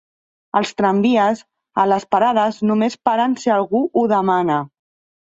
Els tramvies, a les parades, només paren si algú ho demana.